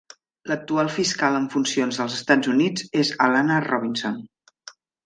L'actual fiscal en funcions dels Estats Units és Alana Robinson.